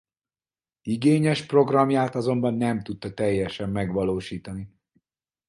Igényes programját azonban nem tudta teljesen megvalósítani.